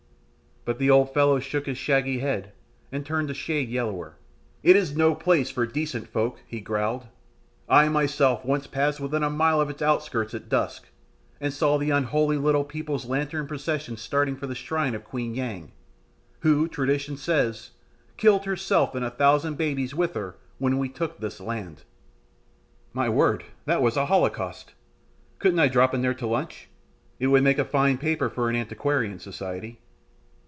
But the old fellow shook his shaggy head and turned a shade yellower. "It is no place for decent folk," he growled. "I myself once passed within a mile of its outskirts at dusk, and saw the unholy little people's lanterned processions starting for the shrine of Queen Yang, who, tradition says, killed herself and a thousand babies with her when we took this land." "My word, that was a holocaust! Couldn't I drop in there to lunch? It would make a fine paper for an antiquarian society."